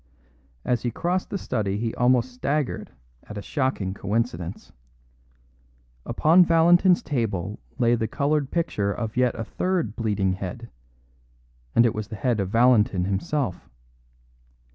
As he crossed the study he almost staggered at a shocking coincidence. Upon Valentin's table lay the coloured picture of yet a third bleeding head; and it was the head of Valentin himself.